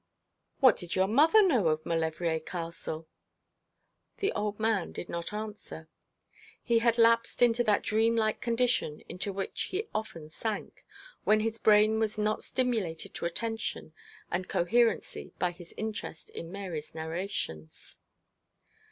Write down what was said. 'What did your mother know of Maulevrier Castle?' The old man did not answer. He had lapsed into that dream like condition into which he often sank, when his brain was not stimulated to attention and coherency by his interest in Mary's narrations.